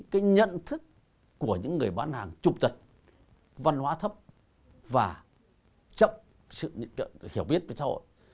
cái nhận thức của những người bán hàng trục tật văn hóa thấp và chậm sự hiểu biết về xã hội